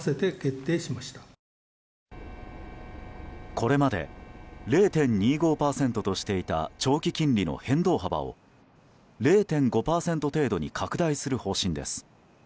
これまで０．２５％としていた長期金利の変動幅を０．５％程度に拡大する方針です。